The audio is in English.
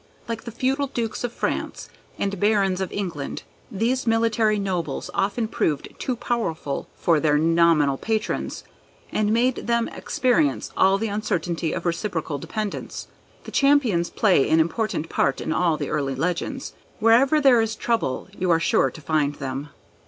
Like the feudal Dukes of France, and Barons of England, these military nobles often proved too powerful for their nominal patrons, and made them experience all the uncertainty of reciprocal dependence. The Champions play an important part in all the early legends. Wherever there is trouble you are sure to find them.